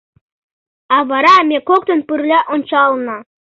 А вара ме коктын пырля ончалына.